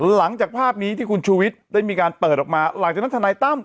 หลังจากภาพนี้ที่คุณชูวิทย์ได้มีการเปิดออกมาหลังจากนั้นทนายตั้ม